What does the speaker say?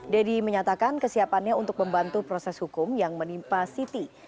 deddy menyatakan kesiapannya untuk membantu proses hukum yang menimpa siti